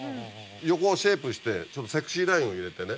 横をシェイプしてセクシーラインを入れてね